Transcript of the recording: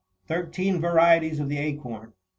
THIRTEEN VARIETIES OF THE ACORN.